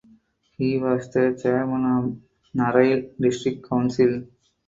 He was the chairman of Narail district council.